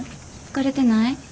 疲れてない？